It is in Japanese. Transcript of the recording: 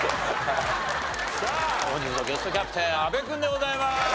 さあ本日のゲストキャプテン阿部君でございます。